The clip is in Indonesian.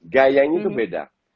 gayanya itu beda